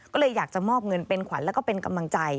ก็เลยอยากจะมอบเงินเป็นขวัญแล้วก็เป็นกำลังใจ